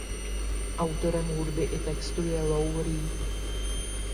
Autorem hudby i textu je Lou Reed.